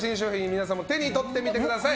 皆さんも手に取ってみてください。